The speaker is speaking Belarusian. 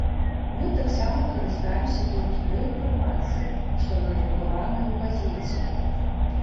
Мы таксама карыстаемся толькі той інфармацыяй, што надрукаваная ў газеце.